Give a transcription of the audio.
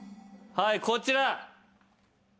はいこちら。